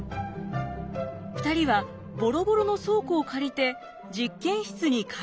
２人はボロボロの倉庫を借りて実験室に改造。